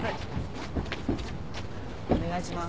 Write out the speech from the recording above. お願いします。